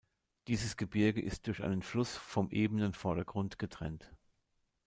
Dieses Gebirge ist durch einen Fluss vom ebenen Vordergrund getrennt.